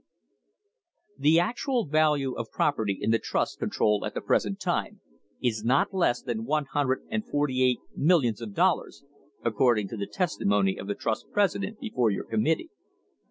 THE BREAKING UP OF THE TRUST "The actual value of property in the trust control at the present time is not less than one hundred and forty eight millions of dollars, according to the testimony of the trust's president before your committee.